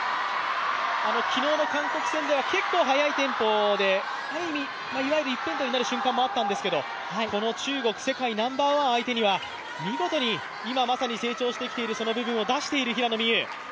昨日の韓国戦では結構速いテンポで一辺倒になる部分もあったんですけどこの中国、世界ナンバーワン相手には、見事に今まさに成長している部分を出している平野美宇。